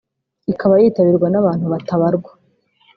ikaba yitabirwa n’abantu batabarwa